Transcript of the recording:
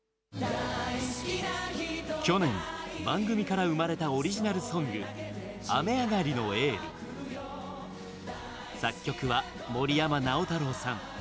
去年、番組から生まれたオリジナルソング「雨上がりのエール」。作曲は森山直太朗さん。